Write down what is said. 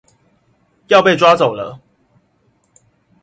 被抓走了